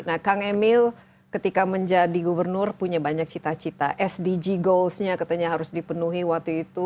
nah kang emil ketika menjadi gubernur punya banyak cita cita sdg goals nya katanya harus dipenuhi waktu itu